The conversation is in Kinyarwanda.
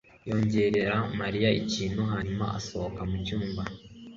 yongorera Mariya ikintu hanyuma asohoka mu cyumba.